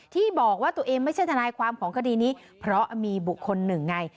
ที่บอกว่าตัวเองไม่ใช่ทนายความของคดีนี้เพราะมีบุคคลหนึ่งไง